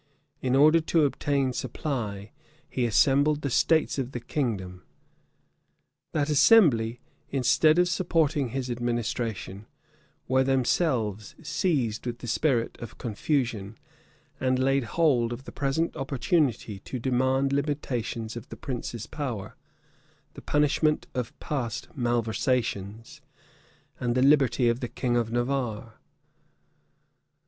In order to obtain supply, he assembled the states of the kingdom: that assembly, instead of supporting his administration, were themselves seized with the spirit of confusion; and laid hold of the present opportunity to demand limitations of the prince's power, the punishment of past malversations, and the liberty of the king of Navarre.